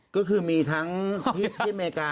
ก็คือมีทั้งที่อเมริกา